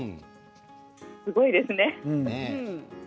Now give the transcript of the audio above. すごいですね。